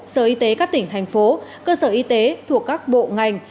sở y tế các tỉnh thành phố cơ sở y tế thuộc các bộ ngành